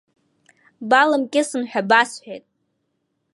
Баламкьысын ҳәа басҳәеит.